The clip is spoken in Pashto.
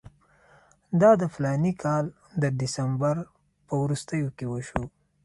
دا د فلاني کال د ډسمبر په وروستیو کې وشو.